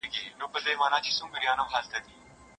د دښمن پر زړه وهلی بیرغ غواړم